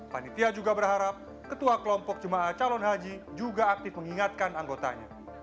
panitia juga berharap ketua kelompok jemaah calon haji juga aktif mengingatkan anggotanya